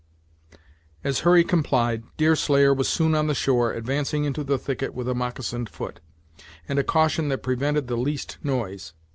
As Hurry complied, Deerslayer was soon on the shore, advancing into the thicket with a moccasined foot, and a caution that prevented the least noise.